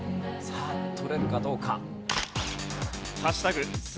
さあ取れるかどうか。